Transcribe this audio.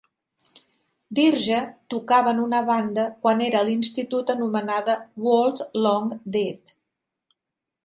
Dirge tocava en una banda quan era a l'institut anomenada Worlds Long Dead.